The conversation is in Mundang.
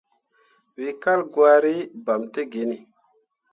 We kal gwari, bam tə genni.